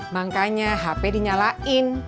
makanya hp dinyalain